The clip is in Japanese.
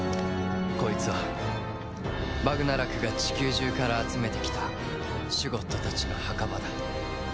こいつはバグナラクがチキュー中から集めてきたシュゴッドたちの墓場だ。